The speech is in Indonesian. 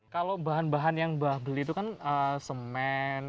kalau bahan bahan yang mbah beli itu kan semen